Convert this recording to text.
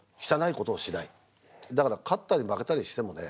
だから勝ったり負けたりしてもね